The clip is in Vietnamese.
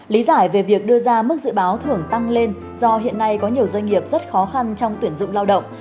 lý giải về việc đưa ra mức dự báo thưởng tăng lên do hiện nay có nhiều doanh nghiệp rất khó khăn trong tuyển dụng lao động